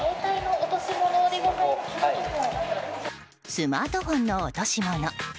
スマートフォンの落とし物。